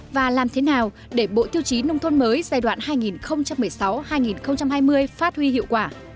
và làm thế nào để bộ tiêu chí nông thôn mới giai đoạn hai nghìn một mươi sáu hai nghìn hai mươi phát huy hiệu quả